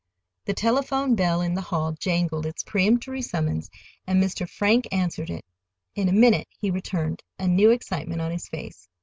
The telephone bell in the hall jangled its peremptory summons, and Mr. Frank answered it. In a minute he returned, a new excitement on his face.